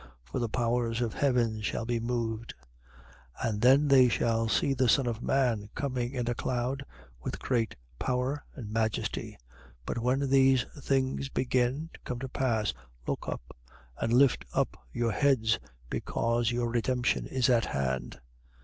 For the powers of heaven shall be moved. 21:27. And then they shall see the Son of man coming in a cloud, with great power and majesty. 21:28. But when these things begin to come to pass, look up and lift up your heads, because your redemption is at hand.